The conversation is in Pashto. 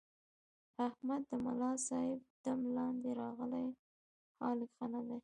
احمد د ملاصاحب دم لاندې راغلی، حال یې ښه نه دی.